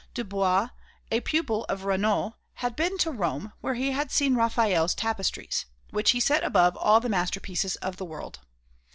Dubois, a pupil of Regnault, had been to Rome, where he had seen Raphael's tapestries, which he set above all the masterpieces of the world.